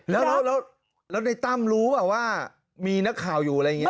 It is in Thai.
แล้วในตั้มรู้ป่ะว่ามีนักข่าวอยู่อะไรอย่างนี้